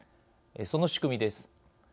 その仕組みです。